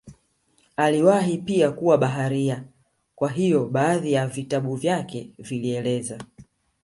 Aliwahi pia kuwa baharia kwa hiyo baadhi ya vitabu vyake vilieleza